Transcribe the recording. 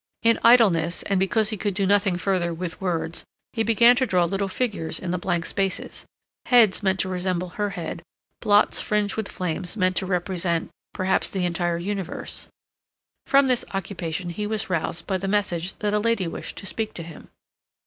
In idleness, and because he could do nothing further with words, he began to draw little figures in the blank spaces, heads meant to resemble her head, blots fringed with flames meant to represent—perhaps the entire universe. From this occupation he was roused by the message that a lady wished to speak to him.